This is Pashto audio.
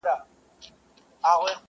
غوړېدلی به ټغر وي د خوښیو اخترونو،